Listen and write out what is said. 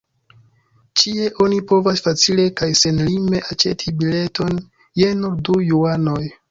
Ĉie oni povas facile kaj senlime aĉeti bileton je nur du juanoj.